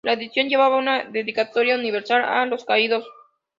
La edición llevaba una dedicatoria universal: "A los caídos".